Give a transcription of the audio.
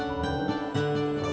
ini ada di sini